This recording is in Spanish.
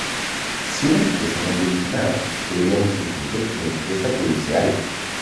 Si una empresa no produce nada, podríamos entender que la empresa produce algo.